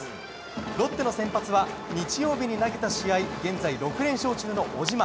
ロッテの先発は日曜日に投げた試合現在６連勝中の小島。